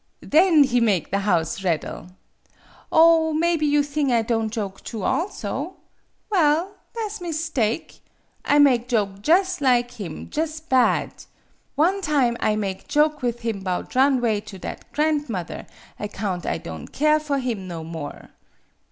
Then he make the house raddle! Oh, mebby you thing I don' joke too, also ? Well, tha' 's wws take. I make joke jus' lig him jus' bad. One time I make joke with him 'bout run 'way to that grandmother, account I don' keer for him no more.